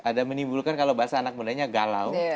ada menimbulkan kalau bahasa anak mudanya galau